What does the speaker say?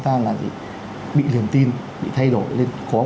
ta là bị niềm tin bị thay đổi nên có